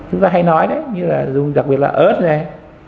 chúng ta hay nói đấy như là dùng đặc biệt là ớt ra